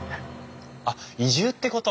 あっ移住ってこと？